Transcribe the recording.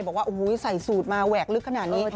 บอกว่าโอ้โหใส่สูตรมาแหวกลึกขนาดนี้